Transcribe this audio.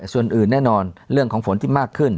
ส่วนอื่นแน่นอนเรื่องของฝนที่มากขึ้น